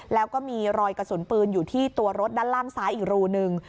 แล้วก็มีรอยกระสุนปืนอยู่ที่ตัวรถด้านล่างซ้ายอีกรูนึง